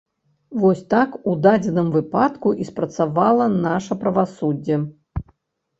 Вось так у дадзеным выпадку і спрацавала наша правасуддзе.